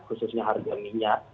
khususnya harga minyak